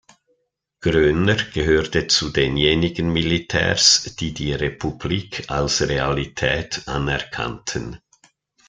Groener gehörte zu denjenigen Militärs, die die Republik als Realität anerkannten.